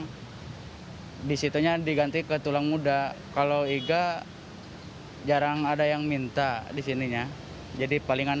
hai disitunya diganti ke tulang muda kalau iga jarang ada yang minta di sininya jadi palingan